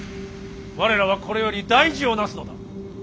我らはこれより大事をなすのだ。